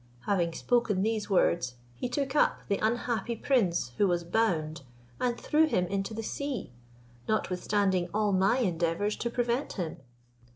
Having spoken these words, he took up the unhappy prince, who was bound, and threw him into the sea, notwithstanding all my endeavours to prevent him.